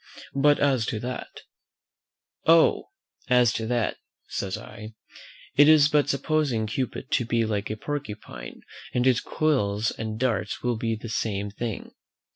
But as to that " "Oh! as to that," says I, "it is but supposing Cupid to be like a porcupine, and his quills and darts will be the same thing."